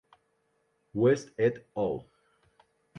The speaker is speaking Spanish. West "et al.